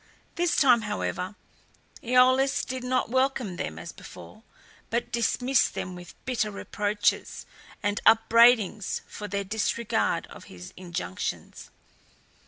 This time, however, AEolus did not welcome them as before, but dismissed them with bitter reproaches and upbraidings for their disregard of his injunctions.